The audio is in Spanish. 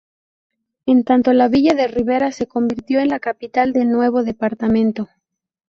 En tanto la villa de Rivera se convirtió en la capital del nuevo departamento.